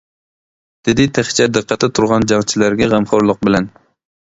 دېدى تېخىچە دىققەتتە تۇرغان جەڭچىلەرگە غەمخورلۇق بىلەن.